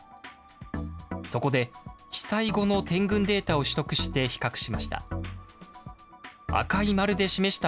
そこで、被災後の点群データを取得して比較しました。